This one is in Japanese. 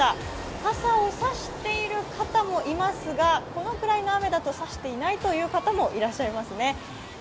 傘を差している方もいますが、このくらいの雨だと差していないという方もいらっしゃいますね。